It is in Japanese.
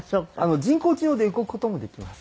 人工知能で動く事もできます。